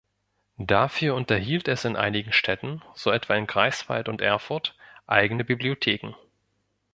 Dafür unterhielt es in einigen Städten, so etwa in Greifswald und Erfurt, eigene Bibliotheken.